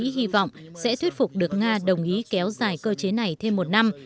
hy vọng sẽ thuyết phục được nga đồng ý kéo dài cơ chế này thêm một năm